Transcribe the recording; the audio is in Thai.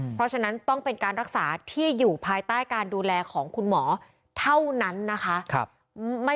เพราะฉะนั้นต้องเป็นการรักษาที่อยู่ภายใต้การดูแลของคุณหมอเท่านั้นนะคะ